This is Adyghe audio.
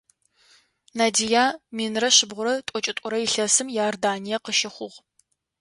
Надия минрэ шъибгъурэ тӏокӏитӏурэ илъэсым Иорданием къыщыхъугъ.